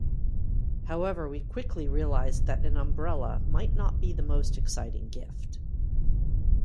However, we quickly realized that an umbrella might not be the most exciting gift.